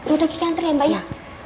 udah kita antre ya mbak ya